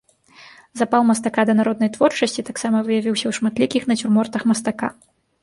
Запал мастака да народнай творчасці таксама выявіўся ў шматлікіх нацюрмортах мастака.